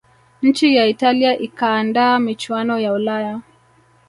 nchi ya italia ikaandaa michuano ya ulaya